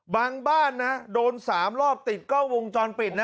บ้านนะโดน๓รอบติดกล้องวงจรปิดนะ